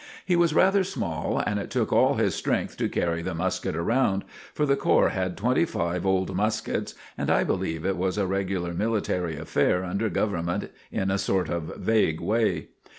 He was rather small, and it took all his strength to carry the musket round; for the corps had twenty five old muskets, and I believe it was a regular military affair under Government in a sort of vague way.